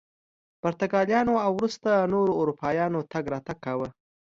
پرتګالیانو او وروسته نورو اروپایانو تګ راتګ کاوه.